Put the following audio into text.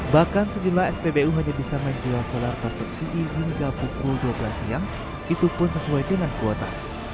bahkan sejumlah spbu hanya bisa menjual solar bersubsidi hingga pukul dua belas siang itu pun sesuai dengan kuota